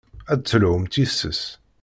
Ad d-telhumt yes-s.